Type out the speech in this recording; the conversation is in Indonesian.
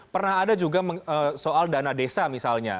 pernah ada juga soal dana desa misalnya